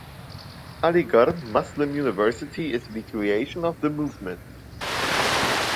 Aligarh Muslim University is the creation of the movement.